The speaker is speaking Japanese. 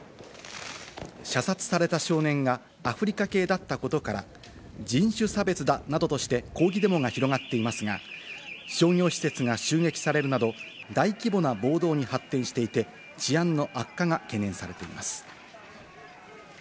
射殺された少年がアフリカ系だったことから、人種差別だなどとして抗議デモが広がっていますが、商業施設が襲撃されるなど、大規模な暴動に発展していて治安の悪化が懸念されています。